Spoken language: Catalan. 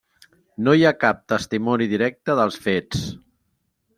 No hi ha cap testimoni directe dels fets.